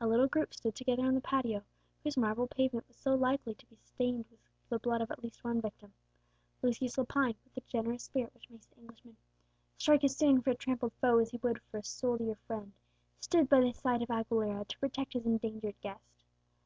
A little group stood together in the patio, whose marble pavement was likely so soon to be stained with the blood of at least one victim. Lucius Lepine, with the generous spirit which makes the Englishman "strike as soon for a trampled foe as he would for a soul dear friend," stood by the side of Aguilera, to protect his endangered guest.